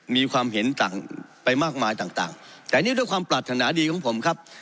มีความเห็นต่างไปมากมายต่างแต่นี่ด้วยความปรารถนาดีของผมครับ